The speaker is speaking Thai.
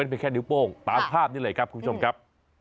เป็นแค่นิ้วโป้งตามภาพนี้เลยครับคุณผู้ชมครับ